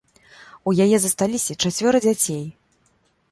У яе засталіся чацвёра дзяцей.